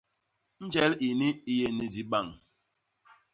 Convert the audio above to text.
Njel ini i yé ni dibañ.